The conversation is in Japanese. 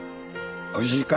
おいしいか？